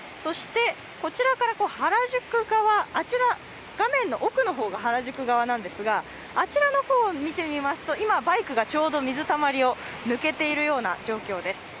こちらから原宿側、画面の奥が原宿側なんですが、あらちの方を見てみますと今、バイクがちょうど水たまりを抜けている状況です。